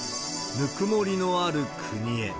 ぬくもりのある国へ。